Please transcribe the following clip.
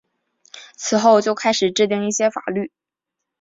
此后就开始制定一些法律。